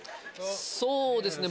そうですね